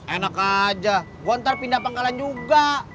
enak aja gue ntar pindah pangkalan juga